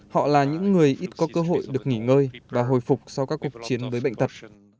họ là những người ít có cơ hội được nghỉ ngơi và hồi phục sau các cuộc chiến với bệnh tật